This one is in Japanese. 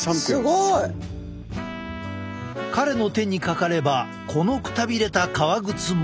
すごい！彼の手にかかればこのくたびれた革靴も。